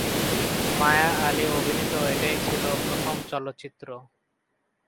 মায়া আলী অভিনীত এটাই ছিলো প্রথম চলচ্চিত্র।